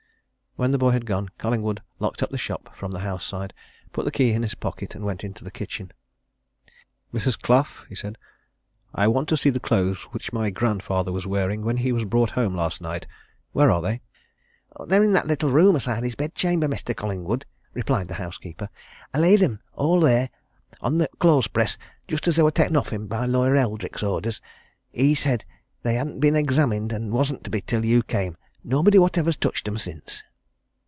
When the boy had gone Collingwood locked up the shop from the house side, put the key in his pocket, and went into the kitchen. "Mrs. Clough," he said. "I want to see the clothes which my grandfather was wearing when he was brought home last night. Where are they?" "They're in that little room aside of his bed chamber, Mestur Collingwood," replied the housekeeper. "I laid 'em all there, on the clothes press, just as they were taken off of him, by Lawyer Eldrick's orders he said they hadn't been examined, and wasn't to be, till you came. Nobody whatever's touched 'em since."